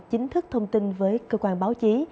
chính thức thông tin với cơ quan báo chí